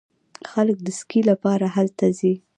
خلک د سکي لپاره هلته ځي.